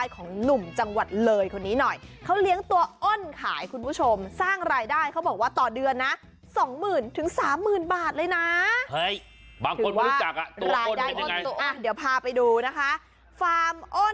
ของหนุ่มจังหวัดเลยคนนี้หน่อยเขาเลี้ยงตัวอ้นขายคุณผู้ชมสร้างรายได้เขาบอกว่าต่อเดือนนะสองหมื่นถึงสามหมื่นบาทเลยนะบางคนไม่รู้จักอ่ะรายได้ก็เดี๋ยวพาไปดูนะคะฟาร์มอ้น